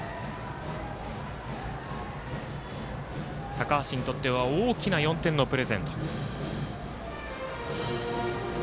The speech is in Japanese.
高橋にとっては大きな４点のプレゼント。